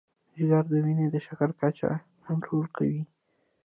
جگر د وینې د شکر کچه کنټرول کوي.